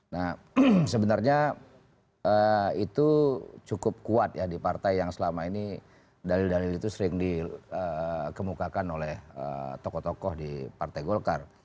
nah sebenarnya itu cukup kuat ya di partai yang selama ini dalil dalil itu sering dikemukakan oleh tokoh tokoh di partai golkar